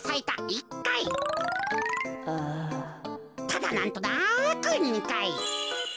ただなんとなく２かい。